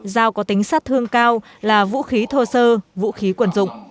dao có tính sát thương cao là vũ khí thô sơ vũ khí quần dụng